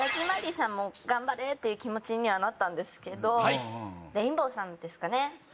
さんも頑張れっていう気持ちにはなったんですけどレインボー？